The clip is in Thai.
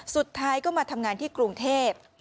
สุดท้ายก็มาทำงานที่กรุงเทพ